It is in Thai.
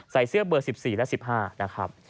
เสื้อเบอร์๑๔และ๑๕นะครับ